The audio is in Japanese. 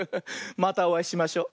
またおあいしましょ。